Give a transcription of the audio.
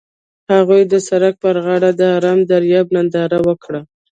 هغوی د سړک پر غاړه د آرام دریاب ننداره وکړه.